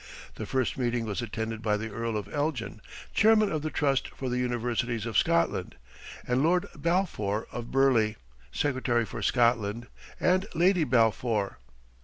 The first meeting was attended by the Earl of Elgin, chairman of the Trust for the Universities of Scotland, and Lord Balfour of Burleigh, Secretary for Scotland, and Lady Balfour.